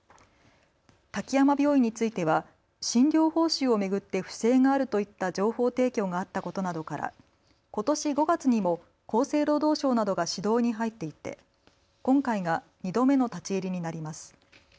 滝山病院については診療報酬を巡って不正があるといった情報提供があったことなどから、ことし５月にも厚生労働省などが指導に入っていて今回が２度目の立ち入りになります。